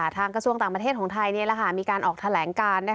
ทางกระทรวงต่างประเทศของไทยมีการออกแถลงการ